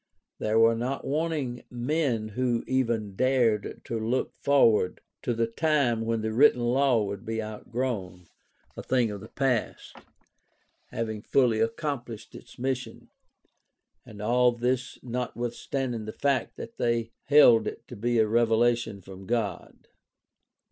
There were not wanting men who even dared to look forward to the time when the written law would be outgrown, a thing of the past, having fully accomplished its mission — and all this notwithstanding the fact that they held it to be a revelation from God.